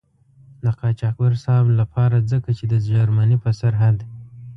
د قاچاقبر صاحب له پاره ځکه چې د جرمني په سرحد.